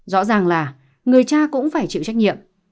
rõ ràng là người cha cũng phải chịu trách nhiệm